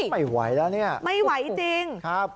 ไม่ไหวแล้วเนี่ยไม่ไหวจริงครับ